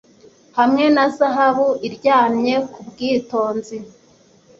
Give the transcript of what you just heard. hamwe na zahabu iryamye kubwitonzi.